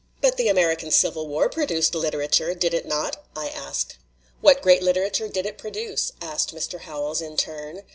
"But the American Civil War produced litera ture, did it not?" I asked. "What great literature did it produce?" asked Mr. Howells in turn.